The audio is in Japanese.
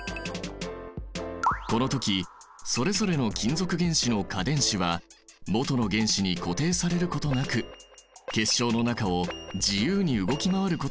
この時それぞれの金属原子の価電子はもとの原子に固定されることなく結晶の中を自由に動き回ることができる。